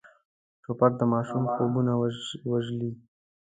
توپک د ماشوم خوبونه وژلي.